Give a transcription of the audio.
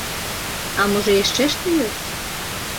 А можа яшчэ што ёсць?